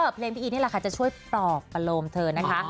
เพลงพี่อีนี่แหละค่ะจะช่วยปลอบประโลมเธอนะคะ